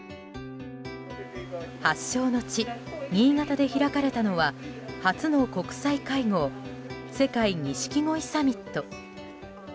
発祥の地・新潟で開かれたのは初の国際会合世界錦鯉サミット。